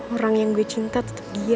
orang yang gue cinta tetap dia